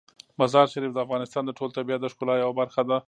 مزارشریف د افغانستان د ټول طبیعت د ښکلا یوه برخه ده.